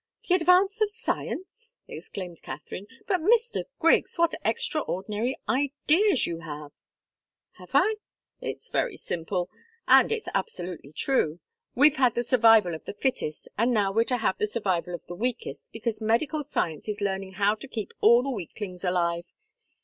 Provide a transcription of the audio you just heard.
"The advance of science!" exclaimed Katharine. "But, Mr. Griggs what extraordinary ideas you have!" "Have I? It's very simple, and it's absolutely true. We've had the survival of the fittest, and now we're to have the survival of the weakest, because medical science is learning how to keep all the weaklings alive.